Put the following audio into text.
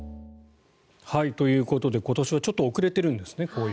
ということで今年はちょっと遅れているんですね、紅葉。